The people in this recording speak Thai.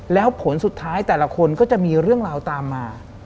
แล้วผลสุดท้ายแต่ละคนก็จะมีเรื่องราวตามมา